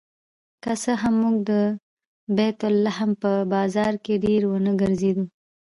که څه هم موږ د بیت لحم په بازار کې ډېر ونه ګرځېدو.